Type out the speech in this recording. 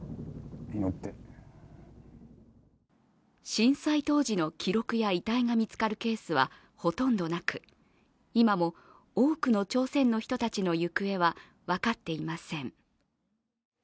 震災当時の記録や遺体が見つかるケースはほとんどなく今も多くの朝鮮の人たちの行方は分かっていません。